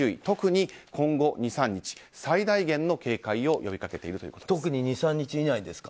特に今後２３日最大限の警戒を呼びかけているということです。